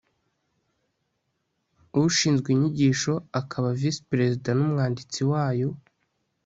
ushinzwe inyigisho akaba visiperezida n umwanditsi wayo